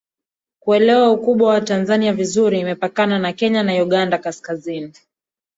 Kuelewa ukubwa wa Tanzania vizuri imepakana na Kenya na Uganda Kaskazini